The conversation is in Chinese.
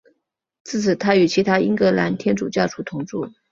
自此他与其他英格兰天主教徒同住。